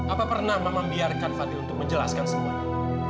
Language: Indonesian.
apa pernah mama biarkan fadil untuk menjelaskan semua